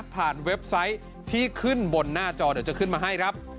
เว็บไซต์ที่ขึ้นบนหน้าจอเดี๋ยวจะขึ้นมาให้ครับ